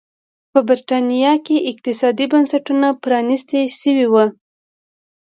په برېټانیا کې اقتصادي بنسټونه پرانيستي شوي وو.